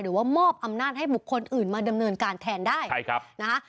มอบอำนาจให้บุคคลอื่นมาดำเนินการแทนได้ใช่ครับนะฮะ